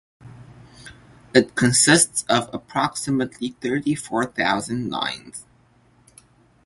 It consists of approximately thirty four thousand lines.